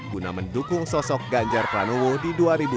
guna mendukung sosok ganjar pranowo di dua ribu dua puluh